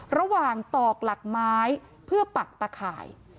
ตอกหลักไม้เพื่อปักตะข่าย